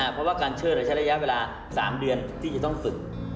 เพราะว่าการเชิดใช้ระยะเวลา๓เดือนที่จะต้องฝึก